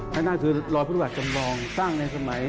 นั่นคือรอยพุทธบัตรจำลองสร้างในสมัย